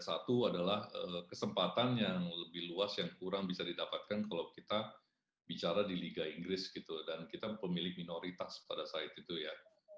satu adalah kesempatan yang lebih luas yang kurang bisa didapatkan kalau kita bicara di liga inggris gitu dan kita pemilik minoritas pada saat itu ya